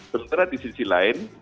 sementara di sisi lain